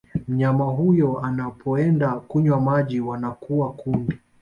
Mnyama huyo anapoenda kunywa maji wanakuwa kundi